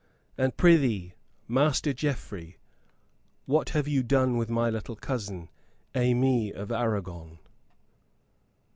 And prithee, Master Geoffrey, what have you done with my little cousin, Aimée of Aragon?"